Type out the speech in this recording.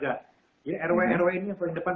jadi rw rw ini yang paling depan